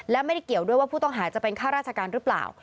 และไม่ได้เกี่ยวด้วยว่าผู้ต้องหาจะเป็นข้าราชการหรือเปล่า